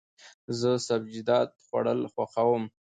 زه سبزیجات خوړل خوښوم.